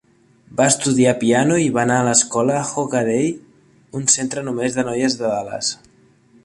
Va estudiar piano i va anar a l'escola Hockaday, un centre només de noies de Dallas.